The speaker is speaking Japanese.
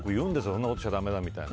そんなことしちゃだめだみたいな。